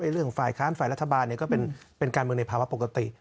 เรื่องฝ่ายค้านฝ่ายรัฐบาลก็เป็นการเมืองในภาวะปกติ